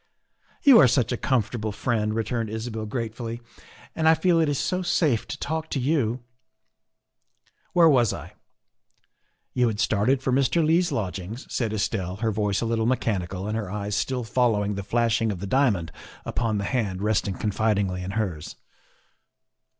" You are such a comfortable friend," returned Isabel gratefully, " and I feel it is so safe to talk to you. Where was I ?"" You had started for Mr. Leigh's lodgings," said Estelle, her voice a little mechanical and her eyes still following the flashing of the diamond upon the hand resting confidingly in hers.